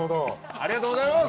ありがとうございます！